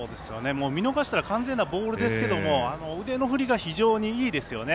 見逃したら完全なボールですけど腕の振りが非常にいいですよね。